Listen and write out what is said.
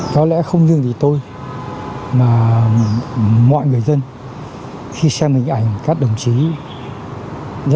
có lẽ không chỉ vì tôi mà mọi người dân khi xem hình ảnh các đồng chí rất là hăng hái